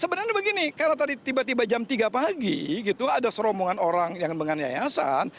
sebenarnya begini karena tadi tiba tiba jam tiga pagi gitu ada seromongan orang yang dengan yayasan